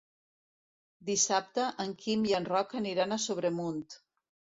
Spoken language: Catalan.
Dissabte en Quim i en Roc aniran a Sobremunt.